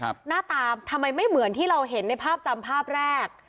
หน้าตาทำไมไม่เหมือนที่เราเห็นในภาพจำภาพแรก